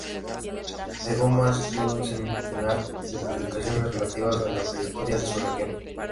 Dejó más de un centenar de publicaciones relativas a la Prehistoria de su región.